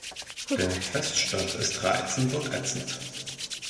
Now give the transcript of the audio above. Der Feststoff ist reizend und ätzend.